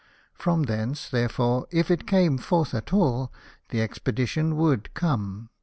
From thence, therefore, if it came forth at all, the expedition would come.